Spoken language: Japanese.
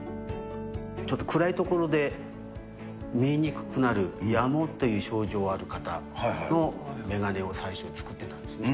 ちょっと暗い所で見えにくくなる夜盲という症状ある方の眼鏡を最初作ってたんですね。